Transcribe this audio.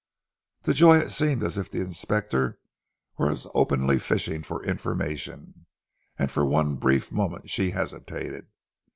To Joy it seemed as if the inspector was openly fishing for information, and for one brief moment she hesitated.